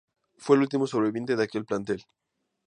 Fue el último sobreviviente de aquel plantel.